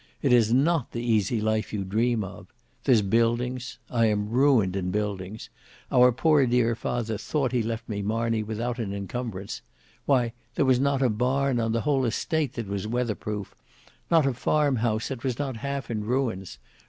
It is not the easy life you dream of. There's buildings—I am ruined in buildings—our poor dear father thought he left me Marney without an incumbrance; why, there was not a barn on the whole estate that was weather proof; not a farm house that was not half in ruins.